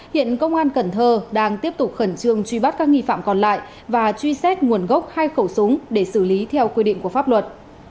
hiện công an cần thơ đang tiếp tục khẩn trương truy bắt các nghi phạm còn lại và truy xét nguồn gốc hai khẩu súng để xử lý theo quy định của pháp luật